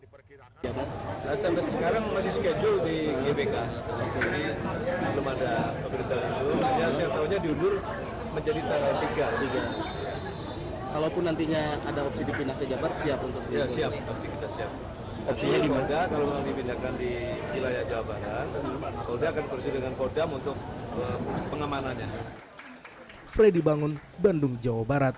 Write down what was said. polda akan bersedia dengan polda untuk pengamanannya